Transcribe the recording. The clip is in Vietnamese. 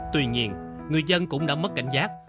tuy nhiên người dân cũng đã mất cảnh giác